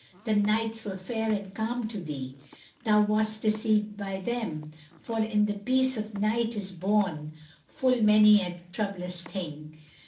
The nights were fair and calm to thee; thou wast deceived by them, For in the peace of night is born full many a troublous thing."